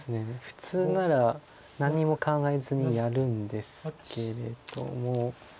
普通なら何も考えずにやるんですけれども。